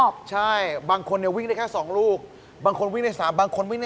พี่อังมาหรอครับพี่อัง